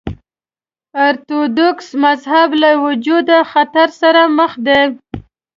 ارتوډوکس مذهب له وجودي خطر سره مخ دی.